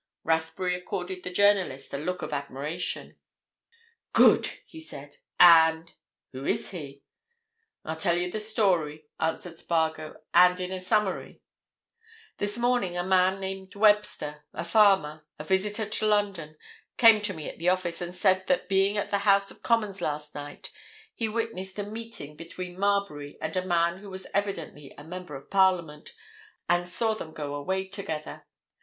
Rathbury accorded the journalist a look of admiration. "Good!" he said. "And—who is he?" "I'll tell you the story," answered Spargo, "and in a summary. This morning a man named Webster, a farmer, a visitor to London, came to me at the office, and said that being at the House of Commons last night he witnessed a meeting between Marbury and a man who was evidently a Member of Parliament, and saw them go away together.